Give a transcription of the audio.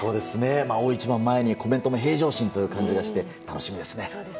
大一番を前にコメントも平常心という感じで楽しみですね。